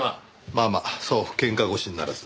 まあまあそう喧嘩腰にならず。